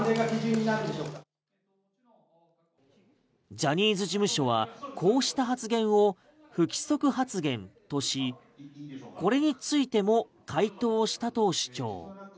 ジャニーズ事務所はこうした発言を不規則発言としこれについても回答したと主張。